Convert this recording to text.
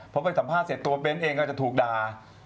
เพราะเวทสัมภาษณ์เสร็จตัวเบนส์เองก็จะถูกด่า